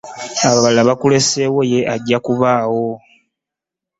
Abalala nga bakuleseewo ye ajja kubaawo.